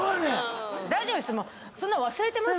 大丈夫です。